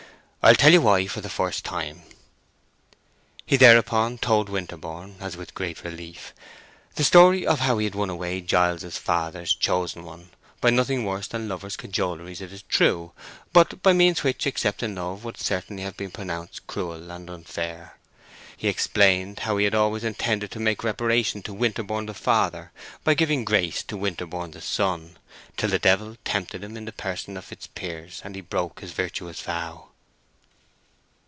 "I'll tell you why for the first time." He thereupon told Winterborne, as with great relief, the story of how he won away Giles's father's chosen one—by nothing worse than a lover's cajoleries, it is true, but by means which, except in love, would certainly have been pronounced cruel and unfair. He explained how he had always intended to make reparation to Winterborne the father by giving Grace to Winterborne the son, till the devil tempted him in the person of Fitzpiers, and he broke his virtuous vow.